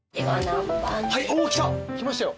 お来た来ましたよ。